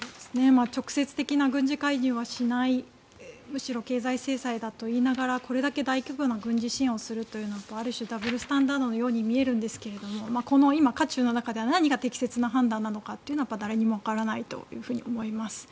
直接的な軍事介入はしないむしろ経済制裁だといいながらこれだけ大規模な軍事支援をするというのはある種ダブルスタンダードのように見えるんですが今、渦中の中で何が適切な判断なのかは誰にもわからないと思います。